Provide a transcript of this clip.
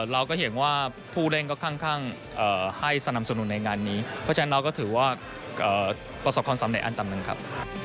เราก็เห็นว่าผู้เล่นก็ค่อนข้างให้สนับสนุนในงานนี้เพราะฉะนั้นเราก็ถือว่าประสบความสำเร็จอันต่ำหนึ่งครับ